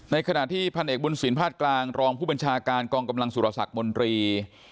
ในขณะที่พันธุ์เอกบุญศิลปราธกลางรองผู้บัญชาการกองกำลังที่หัวสรรพี่มนตรี